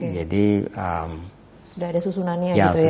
jadi sudah ada susunannya gitu ya